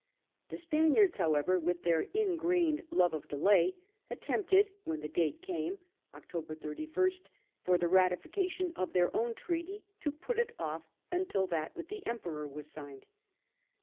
The Spaniards however, with their ingrained love of delay, attempted, when the date 262 The Peace of Nimwegpn. 1679. came (October 31) for the ratification of their own treaty, to put it off until that with the Emperor was signed.